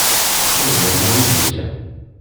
Waqil d Nanna i d-yusan.